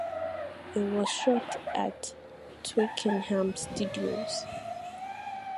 It was shot at Twickenham Studios.